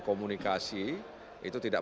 komunikasi itu tidak